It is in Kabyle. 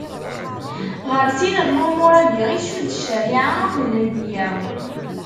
Ɣer sin n lumuṛ-agi i tcudd ccariɛa akked lenbiya.